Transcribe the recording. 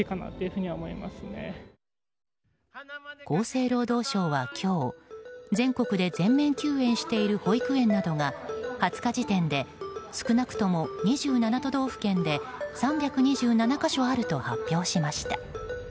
厚生労働省は今日全国で全面休園している保育園などが２０日時点で少なくとも２７都道府県で３２７か所あると発表しました。